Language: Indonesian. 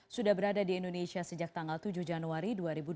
sudah berada di indonesia sejak tanggal tujuh januari dua ribu dua puluh